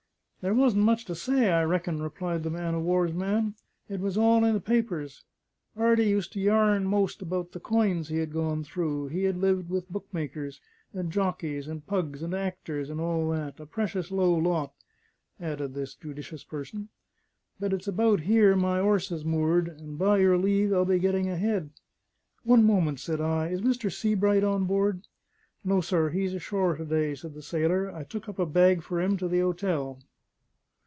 "There wasn't much to say, I reckon," replied the man o' war's man. "It was all in the papers. 'Ardy used to yarn most about the coins he had gone through; he had lived with book makers, and jockeys, and pugs, and actors, and all that: a precious low lot!" added this judicious person. "But it's about here my 'orse is moored, and by your leave I'll be getting ahead." "One moment," said I. "Is Mr. Sebright on board?" "No, sir, he's ashore to day," said the sailor. "I took up a bag for him to the 'otel."